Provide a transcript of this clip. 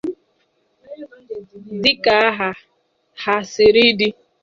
dịka aha ha siri dị